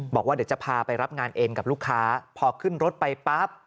บอกว่าเดี๋ยวจะพาไปรับงานเอ็นกับลูกค้าพอขึ้นรถไปปั๊บ